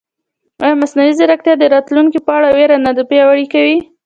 ایا مصنوعي ځیرکتیا د راتلونکي په اړه وېره نه پیاوړې کوي؟